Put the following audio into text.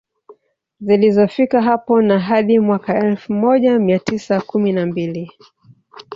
Zilizofika hapo na hadi mwaka elfu moja mia tisa kumi na mbili